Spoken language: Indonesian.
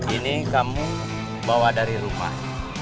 ini kamu bawa dari rumah